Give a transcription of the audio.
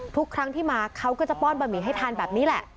ทุกครั้งที่มาเขาก็จะป้อนบะหมี่ให้ทานแบบนี้แหละ